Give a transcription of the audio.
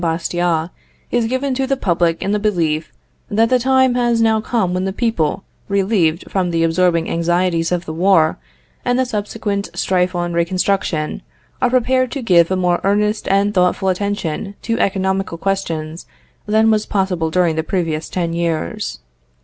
Bastiat, is given to the public in the belief that the time has now come when the people, relieved from the absorbing anxieties of the war, and the subsequent strife on reconstruction, are prepared to give a more earnest and thoughtful attention to economical questions than was possible during the previous ten years.